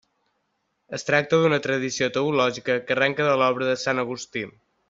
Es tracta d'una tradició teològica que arrenca de l'obra de sant Agustí.